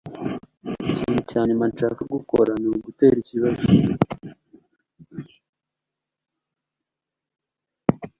Ikintu cya nyuma nshaka gukora ni ugutera ikibazo